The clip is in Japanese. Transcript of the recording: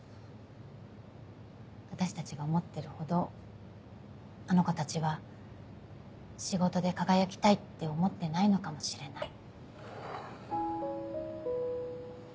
私たちが思ってるほどあの子たちは仕事で輝きたいって思ってないのかもしれない。